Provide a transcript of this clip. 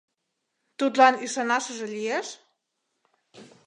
Тудлан ӱшанашыже лиеш?